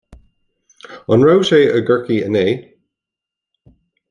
An raibh sé i gCorcaigh inné